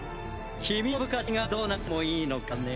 キミの部下たちがどうなってもいいのかね？